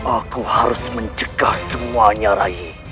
aku harus mencegah semuanya rayi